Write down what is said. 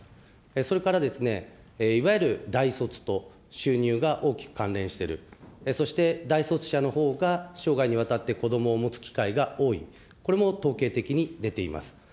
それから、いわゆる大卒と収入が大きく関連している、そして大卒者のほうが、生涯にわたって子どもを持つ機会が多い、これも統計的に出ています。